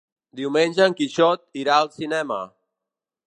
Diumenge en Quixot irà al cinema.